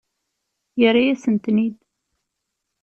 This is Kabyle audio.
Yerra-yasen-ten-id.